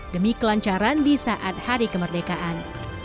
demi kelancaran di saat hari kemerdekaan